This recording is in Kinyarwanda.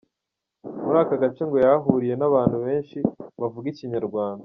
Muri aka gace ngo yahahuriye n’abantu benshi bavuga Ikinyarwanda.